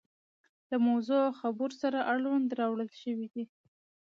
له موضوع او خبور سره اړوند راوړل شوي دي.